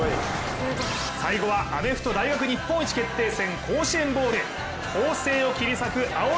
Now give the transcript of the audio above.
最後はアメフト大学日本一決定戦、甲子園ボウル、法政を切り裂く青井